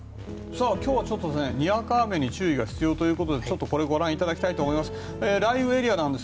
今日はにわか雨に注意が必要ということでちょっとこれをご覧いただきたいと思います。